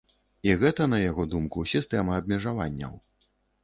І гэта, на яго думку, сістэма абмежаванняў.